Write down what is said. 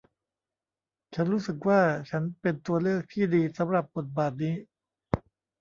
ฉันรู้สึกว่าฉันเป็นตัวเลือกที่ดีสำหรับบทบาทนี้